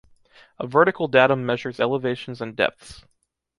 A vertical datum measures elevations and depths.